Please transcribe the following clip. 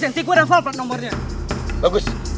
yuk udah balik lagi